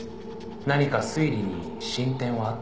「何か推理に進展はあったか？」